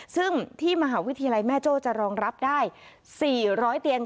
ซึ่งที่มหาวิทยาลัยแม่โจ้จะรองรับได้๔๐๐เตียง